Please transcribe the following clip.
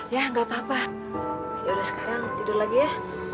ya nggak apa apa yaudah sekarang tidur lagi ya